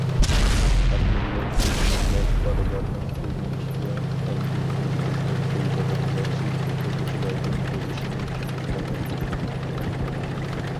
ھەر مىللەت ئۆسمۈرلەر- بالىلارنىڭ ئۆگىنىش ۋە ئەمگەكنى قىزغىن سۆيىدىغان ياخشى ئوقۇغۇچىلاردىن بولۇشىنى ئۈمىد قىلىمەن.